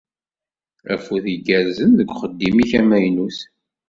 Afud igerrzen deg uxeddim-ik amaynut.